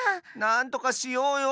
なんとかしようよ。